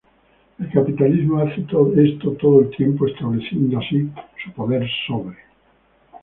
El capitalismo hace esto todo el tiempo estableciendo así su "poder-sobre".